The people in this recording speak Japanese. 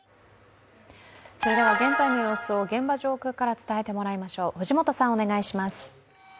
それでは現在の様子を現場上空から伝えてもらいましょう。